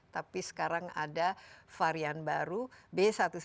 tapi sekarang ada varian baru b satu ratus tujuh belas